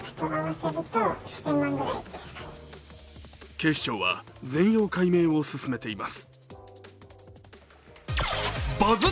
警視庁は全容解明を進めています。